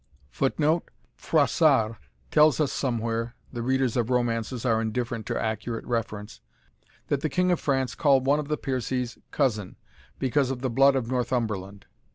[Footnote: Froissart tells us somewhere, (the readers of romances are indifferent to accurate reference,) that the King of France called one of the Piercies cousin, because of the blood of Northumberland.